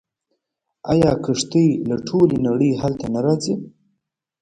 آیا کښتۍ له ټولې نړۍ هلته نه راځي؟